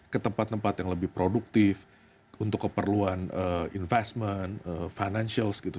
ke tempat tempat yang lebih produktif untuk keperluan investment financials gitu